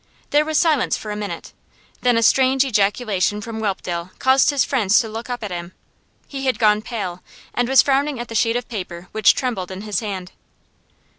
There was silence for a minute, then a strange ejaculation from Whelpdale caused his friends to look up at him. He had gone pale, and was frowning at the sheet of paper which trembled in his hand.